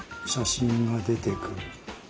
写真が出てくる。